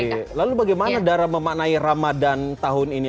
oke lalu bagaimana dara memaknai ramadan tahun ini